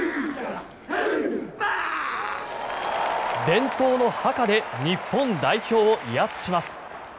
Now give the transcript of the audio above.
伝統のハカで日本代表を威圧します。